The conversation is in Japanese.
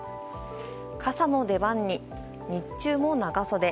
傘の出番に、日中も長袖。